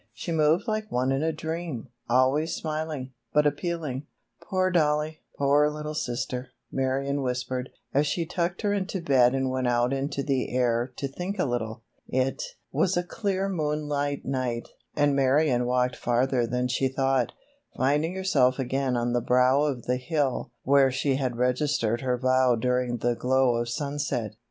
She moved like one in a dream, always smiling, but appealing. "Poor Dollie! Poor little sister!" Marion whispered, as she tucked her into bed and went out into the air to think a little. It was a clear moonlight night, and Marion walked farther than she thought, finding herself again on the brow of the hill where she had registered her vow during the glow of sunset.